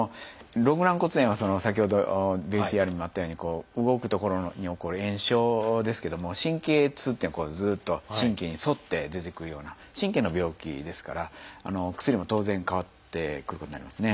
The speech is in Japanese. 肋軟骨炎は先ほどＶＴＲにもあったように動く所に起こる炎症ですけども神経痛っていうのはずっと神経に沿って出てくるような神経の病気ですからお薬も当然変わってくることになりますね。